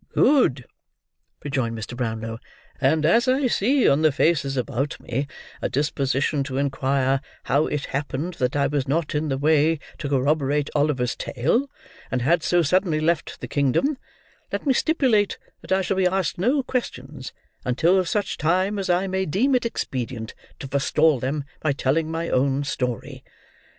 "Good!" rejoined Mr. Brownlow. "And as I see on the faces about me, a disposition to inquire how it happened that I was not in the way to corroborate Oliver's tale, and had so suddenly left the kingdom, let me stipulate that I shall be asked no questions until such time as I may deem it expedient to forestall them by telling my own story.